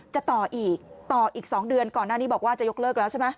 จะต่ออีกต่ออีก๒เดือนก่อนหน้านี้บอกว่าจะยกเลิกแล้วใช่ไหม